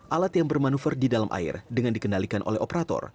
alat yang bermanuver di dalam air dengan dikendalikan oleh operator